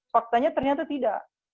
faktanya ternyata tidak